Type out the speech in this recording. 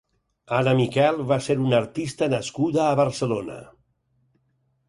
Anna Miquel va ser una artista nascuda a Barcelona.